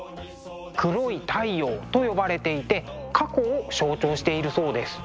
黒い太陽と呼ばれていて過去を象徴しているそうです。